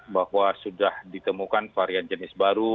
bahwa sudah ditemukan varian jenis baru